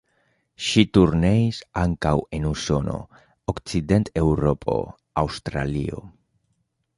Ŝi turneis ankaŭ en Usono, Okcident-Eŭropo, Aŭstralio.